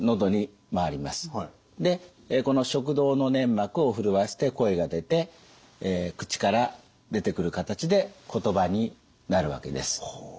でこの食道の粘膜を震わせて声が出て口から出てくる形で言葉になるわけです。